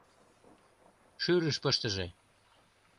Шӱрыш пыштыже.